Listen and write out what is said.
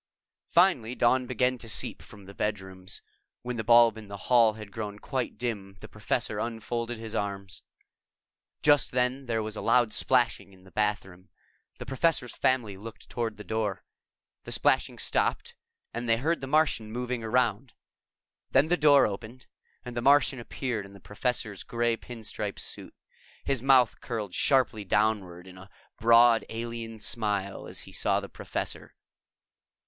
Finally dawn began to seep from the bedrooms. When the bulb in the hall had grown quite dim, the Professor unfolded his arms. Just then, there was a loud splashing in the bathroom. The Professor's family looked toward the door. The splashing stopped and they heard the Martian moving around. Then the door opened and the Martian appeared in the Professor's gray pin stripe suit. His mouth curled sharply downward in a broad alien smile as he saw the Professor.